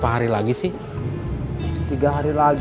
kamu cari calon istri lain yang bisa menerima masa lalu kamu